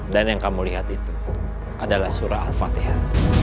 dan yang kamu lihat itu adalah surah al fatihah